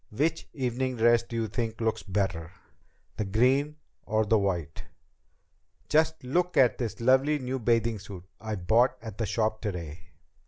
Which evening dress do you think looks better? The green or the white?" "Just look at this lovely new bathing suit I bought at the shop today!"